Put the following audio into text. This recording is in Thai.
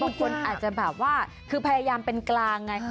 บางคนอาจจะแบบว่าคือพยายามเป็นกลางไง